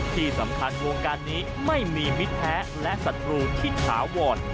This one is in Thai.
ที่สำคัญวงการนี้ไม่มีมิตรแท้และศัตรูที่ถาวร